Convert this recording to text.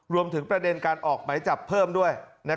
รวมถึงประเด็นการออกไหมจับเพิ่มด้วย